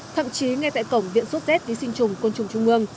thậm chí ngay tại cổng viện sốt z tí sinh trùng côn trùng trung ương